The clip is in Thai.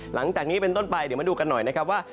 หลังจากนี้เป็นต้นไปเดี๋ยวมาดูกันหน่อยนะครับว่า